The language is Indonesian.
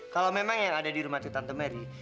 kalau memang yang ada di rumah itu tante merry